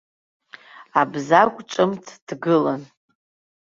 Абзагә ҿымҭ дгылан.